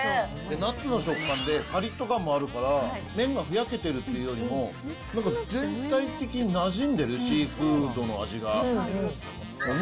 ナッツの食感でぱりっと感もあるから、麺がふやけてるというよりも、なんか全体的になじんでるシーフードの味が。